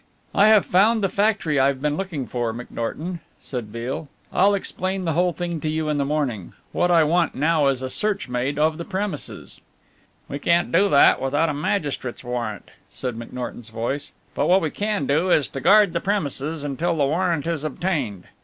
"I have found the factory I've been looking for, McNorton," said Beale. "I'll explain the whole thing to you in the morning. What I want now is a search made of the premises." "We can't do that without a magistrate's warrant," said McNorton's voice, "but what we can do is to guard the premises until the warrant is obtained.